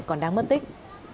còn đang mất tích